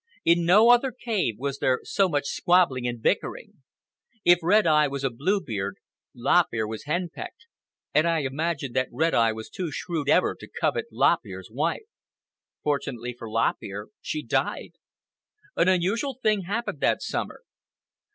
In no other cave was there so much squabbling and bickering. If Red Eye was a Bluebeard, Lop Ear was hen pecked; and I imagine that Red Eye was too shrewd ever to covet Lop Ear's wife. Fortunately for Lop Ear, she died. An unusual thing happened that summer.